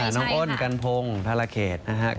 น้องอ้นกันพงศ์พาราเขตนะครับ